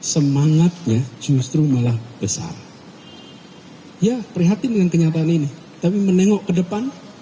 semangatnya justru malah besar ya prihatin dengan kenyataan ini tapi menengok ke depan